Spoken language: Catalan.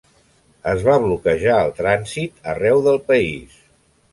Es va bloquejar el trànsit arreu del país.